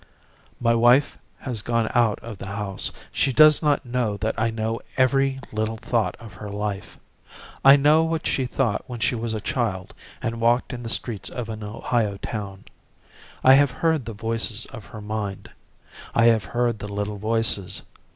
My wife has gone out of the house. She does not know that I know every little thought of her life. I know what she thought when she was a child and walked in the streets of an Ohio town. I have heard the voices of her mind. I have heard the little voices.